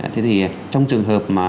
thế thì trong trường hợp mà